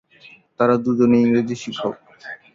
তারা দুজনেই ইংরেজ শিক্ষক।